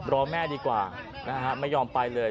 รอแม่ดีกว่านะฮะไม่ยอมไปเลย